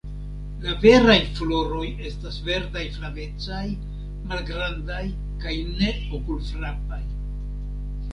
La veraj floroj estas verdaj-flavecaj, malgrandaj kaj ne okulfrapaj.